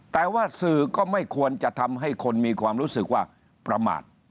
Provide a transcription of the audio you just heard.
แต่ว่าสื่อก็ไม่ควรจะทำให้คนมีความรู้สึกว่าประมาท